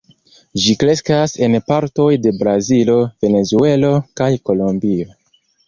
Ĝi kreskas en partoj de Brazilo, Venezuelo kaj Kolombio.